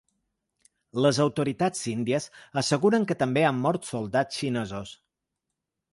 Les autoritats índies asseguren que també han mort soldats xinesos.